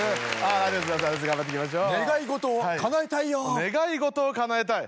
ありがとうございます頑張っていきましょう。